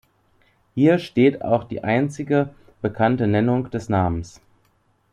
Hier steht auch die einzige bekannte Nennung des Namens.